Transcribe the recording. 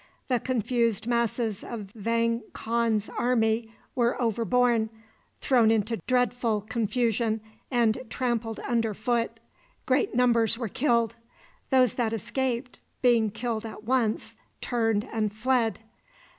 The confused masses of Vang Khan's army were overborne, thrown into dreadful confusion, and trampled under foot. Great numbers were killed. Those that escaped being killed at once turned and fled.